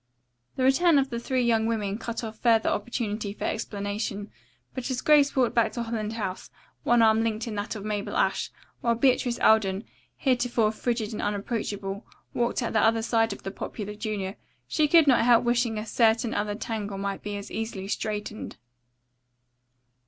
The return of the three young women cut off further opportunity for explanation, but as Grace walked back to Holland House, one arm linked in that of Mabel Ashe, while Beatrice Alden, heretofore frigid and unapproachable, walked at the other side of the popular junior, she could not help wishing a certain other tangle might be as easily straightened.